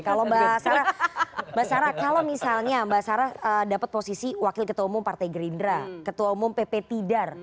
kalau mbak sarah kalau misalnya mbak sarah dapat posisi wakil ketua umum partai gerindra ketua umum pp tidar